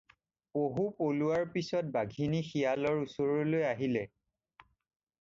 পহু পলোৱাৰ পিছত বাঘিনী শিয়ালৰ ওচৰলৈ আহিলে।,